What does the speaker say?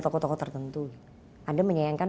tokoh tokoh tertentu anda menyayangkan